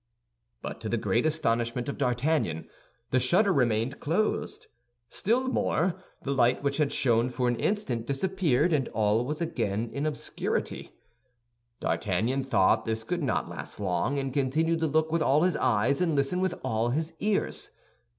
But to the great astonishment of D'Artagnan, the shutter remained closed. Still more, the light which had shone for an instant disappeared, and all was again in obscurity. D'Artagnan thought this could not last long, and continued to look with all his eyes and listen with all his ears.